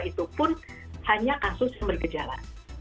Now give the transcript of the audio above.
itu pun hanya kasus yang bergejala